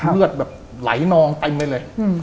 เลือดแบบไหลนองเต็มไปเลย